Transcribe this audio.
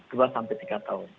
dua sampai tiga tahun